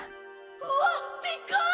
うわっでっかい！